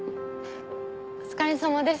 お疲れさまです。